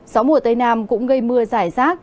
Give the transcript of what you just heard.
gió mùa tây nam cũng gây mưa rải rác